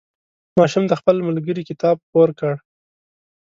ماشوم د خپل ملګري کتاب پور کړ.